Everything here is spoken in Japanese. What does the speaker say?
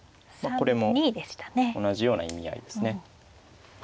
これも同じような意味合いですね。